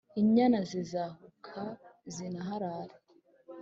Inyana zizahahuka, zinaharare,